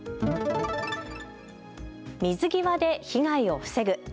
水際で被害を防ぐ。